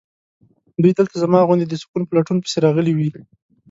دوی دلته زما غوندې د سکون په لټون پسې راغلي وي.